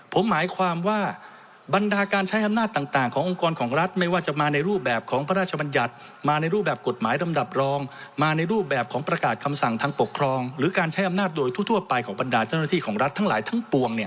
ผมหมายความว่าบรรดาการใช้อำนาจต่างขององค์กรของรัฐไม่ว่าจะมาในรูปแบบของพระราชบัญญัติมาในรูปแบบกฎหมายลำดับรองมาในรูปแบบของประกาศคำสั่งทางปกครองหรือการใช้อำนาจโดยทั่วไปของบรรดาเจ้าหน้าที่ของรัฐทั้งหลายทั้งปวง